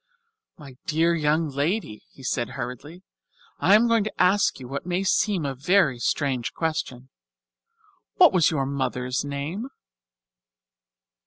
"My dear young lady," he said hurriedly, "I am going to ask you what may seem a very strange question. What was your mother's name?"